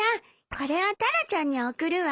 これはタラちゃんに送るわ。